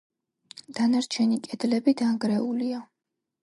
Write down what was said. დანარჩენი კედლები დანგრეულია.